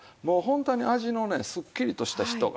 もうホントに味のねすっきりとした。